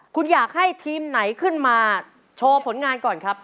คุณอยากให้ทีมไหนขึ้นมาโชว์ผลงานก่อนครับ